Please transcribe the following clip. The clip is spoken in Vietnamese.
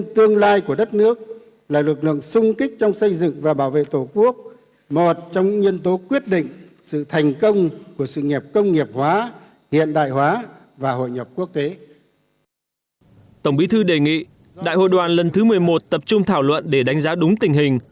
tổng bí thư đề nghị đại hội đoàn lần thứ một mươi một tập trung thảo luận để đánh giá đúng tình hình